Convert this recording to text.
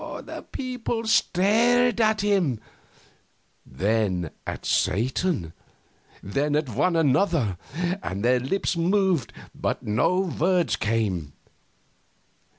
The people stared at him, then at Satan, then at one another; and their lips moved, but no words came.